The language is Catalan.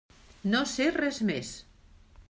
No sé res més.